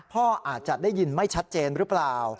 พ่ออาจจะได้ยินไม่ชัดเจนหรือเปล่า